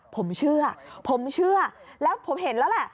ผมเชื่อผมเชื่อแล้วผมเห็นแล้วแหละ